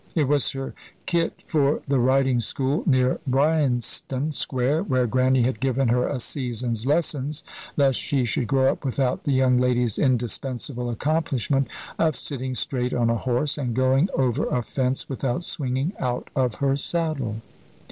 It was her kit for the riding school near Bryanston Square, where Grannie had given her a season's lessons, lest she should grow up without the young lady's indispensable accomplishment of sitting straight on a horse, and going over a fence without swinging out of her saddle.